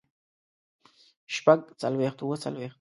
شپږ څلوېښت اووه څلوېښت